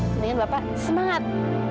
mendingan bapak semangat